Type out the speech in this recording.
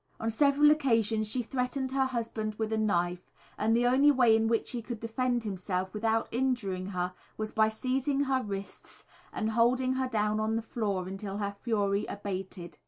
On several occasions she threatened her husband with a knife, and the only way in which he could defend himself without injuring her was by seizing her wrists and holding her down on the floor until her fury abated.